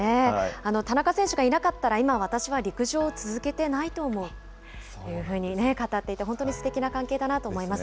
田中選手がいなかったら、今、私は陸上を続けてないと思うというふうに語っていて、本当に素敵な関係だなと思います。